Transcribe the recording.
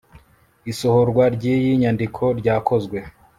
isohorwa ry iyi nyandiko ryakozwe